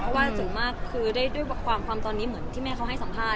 ว่าสูงมากคือด้วยความตอนนี้เหมือนที่แม่เขาให้สัมภาษณ